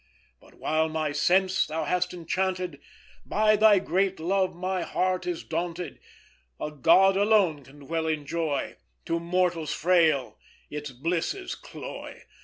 But while my sense thou hast enchanted, By thy great love my heart is daunted: A god alone can dwell in joy, To mortals frail, its blisses cloy.